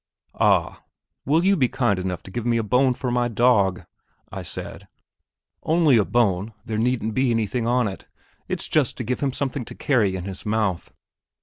"Ah, will you be kind enough to give me a bone for my dog?" I said; "only a bone. There needn't be anything on it; it's just to give him something to carry in his mouth."